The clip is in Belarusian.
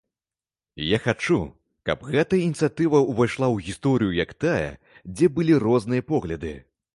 Я хачу, каб гэтая ініцыятыва увайшла у гісторыю як тая, дзе былі розныя погляды.